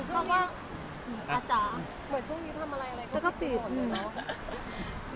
เหมือนช่วงนี้คือทำอะไรอะไรก็ผิดเหรอ